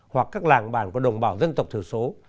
hoặc các làng bàn của đồng bào dân tộc thừa số